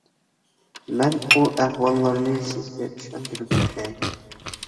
مەن ئۇ ئەھۋاللارنى سىزگە چۈشەندۈرۈپ ئۆتەي.